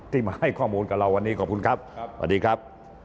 มาให้ข้อมูลกับเราวันนี้ขอบคุณครับสวัสดีครับ